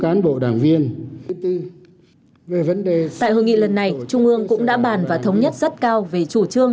cán bộ đảng viên tại hội nghị lần này trung ương cũng đã bàn và thống nhất rất cao về chủ trương